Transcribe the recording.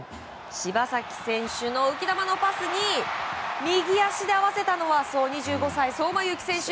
柴崎選手の浮き球のパスに右足で合わせたのは２５歳の相馬勇紀選手。